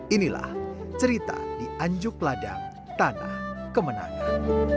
inilah cerita di anjuk ladang tanah kemenangan